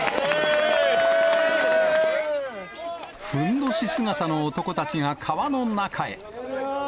ふんどし姿の男たちが川の中へ。